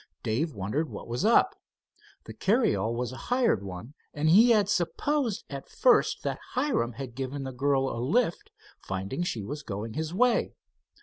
Dave wondered what was up. The carryall was a hired one, and he had supposed at first that Hiram had given the girl a lift, finding she was going his way.